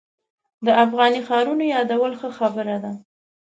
د افغاني ښارونو یادول ښه خبره ده.